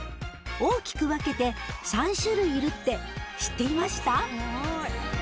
大きく分けて３種類いるって知っていました？